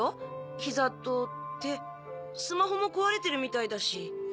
膝と手スマホも壊れてるみたいだし。